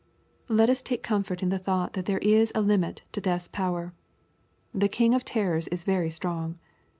Let us take comfort in the thought that there is a limit to death's power. The king of terrors is very strong.